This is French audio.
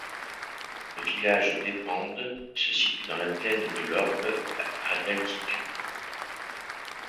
Le village d'Épendes se situe dans la plaine de l'Orbe à d'altitude.